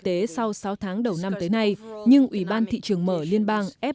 tế sau sáu tháng đầu năm tới nay nhưng ủy ban thị trường mở liên bang f